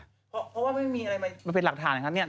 เพราะว่าไม่มีอะไรมาเป็นหลักฐานนะครับเนี่ย